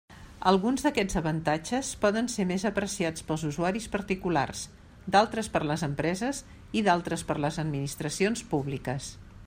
Alguns d'aquests avantatges poden ser més apreciats pels usuaris particulars, d'altres per les empreses i d'altres per les administracions públiques.